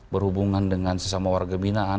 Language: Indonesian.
berhubungan dengan sesama warga binaan